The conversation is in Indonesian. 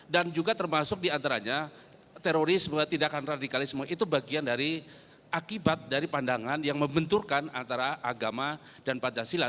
dan juga termasuk diantaranya terorisme tidakkan radikalisme itu bagian dari akibat dari pandangan yang membenturkan antara agama dan pancasila